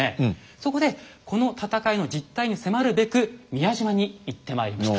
そこでこの戦いの実態に迫るべく宮島に行ってまいりました。